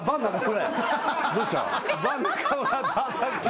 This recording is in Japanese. どうした？